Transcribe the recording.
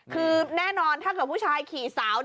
คือแน่นอนถ้าเกิดผู้ชายขี่สาว